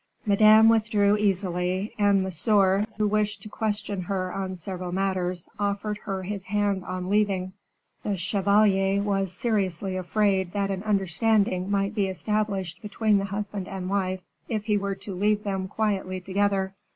Madame withdrew easily, and Monsieur, who wished to question her on several matters, offered her his hand on leaving. The chevalier was seriously afraid that an understanding might be established between the husband and wife if he were to leave them quietly together.